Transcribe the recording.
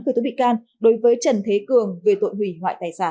khởi tố bị can đối với trần thế cường về tội hủy hoại tài sản